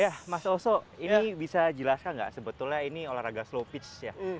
ya mas oso ini bisa jelaskan nggak sebetulnya ini olahraga slow pitch ya